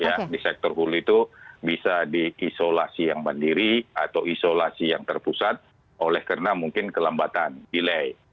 nah di sektor hulu itu bisa di isolasi yang mandiri atau isolasi yang terpusat oleh karena mungkin kelembatan delay